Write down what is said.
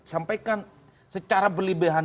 sampaikan secara berlebihan